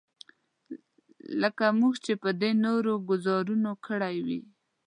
لکه موږ چې په دې نورو ګوزارونو کړی دی.